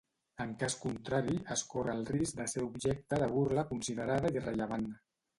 En cas contrari, es corre el risc de ser objecte de burla considerada irrellevant.